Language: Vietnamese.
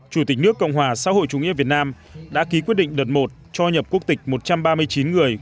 chủ tịch nước cộng hòa xã hội chủ nghĩa việt nam đã ký quyết định đợt một cho nhập quốc tịch một trăm ba mươi chín người